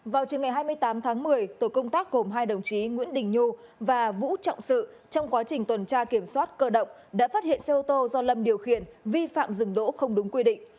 vào chiều ngày hai mươi tám tháng một mươi tổ công tác gồm hai đồng chí nguyễn đình nhu và vũ trọng sự trong quá trình tuần tra kiểm soát cơ động đã phát hiện xe ô tô do lâm điều khiển vi phạm dừng đỗ không đúng quy định